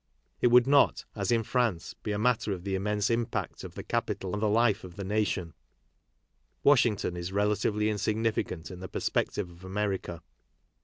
It would not, as in France, be a matter of the immense im pact of the capital on the life of the nation ; Washington is relatively insignificant in the perspective of America.